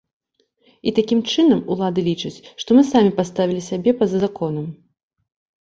І такім чынам, улады лічаць, што мы самі паставілі сябе па-за законам.